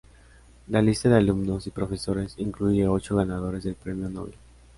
La lista de alumnos y profesores incluye ocho ganadores del Premio Nobel.